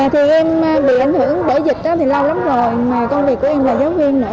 thì em bị ảnh hưởng bởi dịch thì lâu lắm rồi mời công việc của em là giáo viên nữa